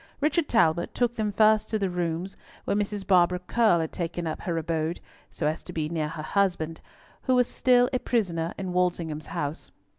Richard Talbot took them first to the rooms where Mrs. Barbara Curll had taken up her abode, so as to be near her husband, who was still a prisoner in Walsingham's house.